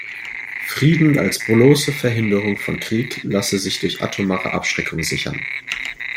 Frieden als bloße Verhinderung von Krieg lasse sich durch atomare Abschreckung sichern.